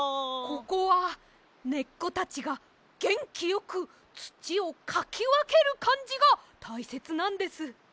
ここはねっこたちがげんきよくつちをかきわけるかんじがたいせつなんです。